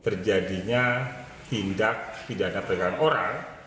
terjadinya tindak pidana pegangan orang